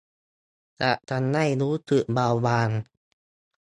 จะให้ความรู้สึกบางเบา